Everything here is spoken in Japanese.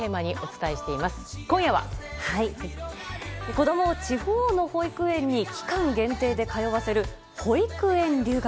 子供を地方の保育園に期間限定で通わせる保育園留学。